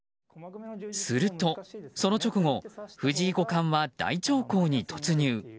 するとその直後藤井五冠は大長考に突入。